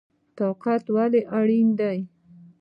اطاعت ولې اړین دی؟